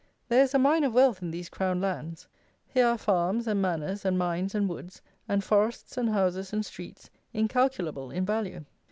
There is a mine of wealth in these "Crown lands." Here are farms, and manors, and mines, and woods, and forests, and houses, and streets, incalculable in value.